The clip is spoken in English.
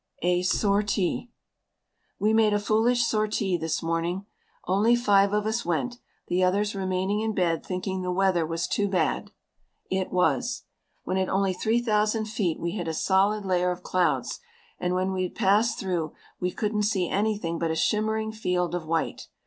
A SORTIE We made a foolish sortie this morning. Only five of us went, the others remaining in bed thinking the weather was too bad. It was. When at only 3,000 feet we hit a solid layer of clouds, and when we had passed through, we couldn't see anything but a shimmering field of white.